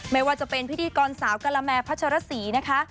ไม่ว่าจะเป็นพิธีกรสาวกะละแมพัชรสีนะคะ